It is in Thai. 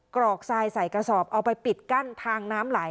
กรอกทรายใส่กระสอบเอาไปปิดกั้นทางน้ำไหล